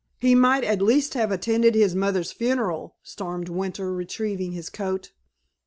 He might at least have attended his mother's funeral!" stormed Winter, retrieving his coat.